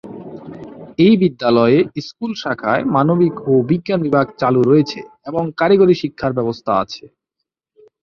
এই বিদ্যালয়ে স্কুল শাখায় মানবিক ও বিজ্ঞান বিভাগ চালু রয়েছে এবং কারিগরি শিক্ষার ব্যবস্থা আছে।